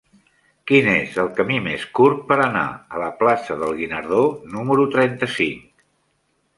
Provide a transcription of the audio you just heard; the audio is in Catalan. Quin és el camí més curt per anar a la plaça del Guinardó número trenta-cinc?